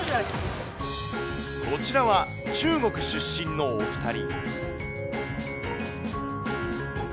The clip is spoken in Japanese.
こちらは、中国出身のお２人。